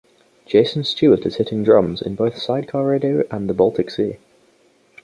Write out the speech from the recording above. Jason Stewart is hitting drums in both Sidecar Radio and The Baltic Sea.